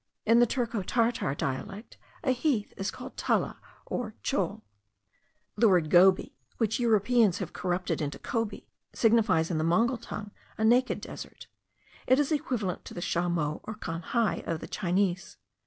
In the Turco Tartar dialect a heath is called tala or tschol. The word gobi, which Europeans have corrupted into cobi, signifies in the Mongol tongue a naked desert. It is equivalent to the scha mo or khan hai of the Chinese.